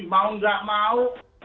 mau nggak mau